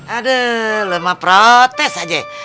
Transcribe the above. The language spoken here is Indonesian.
aduh lu mah protes aja